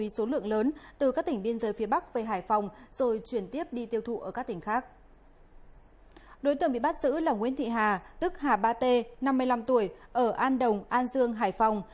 đối tượng bị bắt giữ là nguyễn thị hà tức hà ba t năm mươi năm tuổi ở an đồng an dương hải phòng